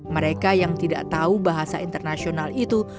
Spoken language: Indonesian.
mereka yang tidak tahu bahasa internasional itu